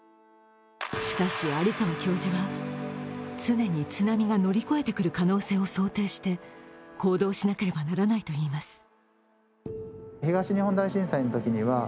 しかし、有川教授は常に津波が乗り越えてくる可能性を想定して行動しなければならないといいます。